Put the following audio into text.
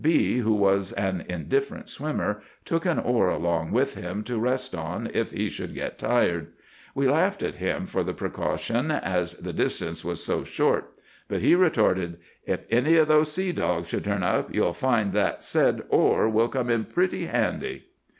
B——, who was an indifferent swimmer, took an oar along with him to rest on if he should get tired. We laughed at him for the precaution as the distance was so short; but he retorted,— "'If any of those sea dogs should turn up, you'll find that said oar will come in pretty handy.